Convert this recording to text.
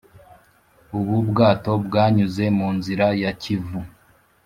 ubu bwato bwanyuze mu nzira ya kivu